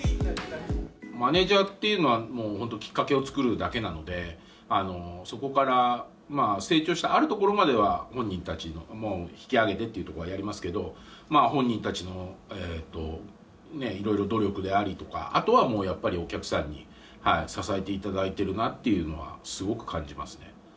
マネージャーっていうのはきっかけをつくるだけなのでそこから成長してあるところまでは本人たちの引き上げてっていうとこはやりますけど本人たちの色々努力でありとかあとはやっぱりお客さんに支えていただいてるなっていうのはすごく感じますね